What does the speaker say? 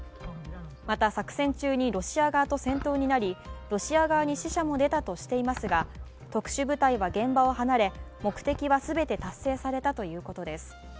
また作戦中にロシア側と戦闘になりロシア側に死者も出たとしていますが特殊部隊は現場を離れ、目的は全て達成されたということです。